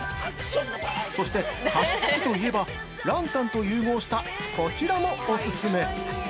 そして加湿器といえばランタンと融合したこちらもオススメ！